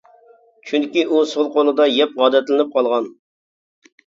چۈنكى ئۇ سول قولىدا يەپ ئادەتلىنىپ قالغان.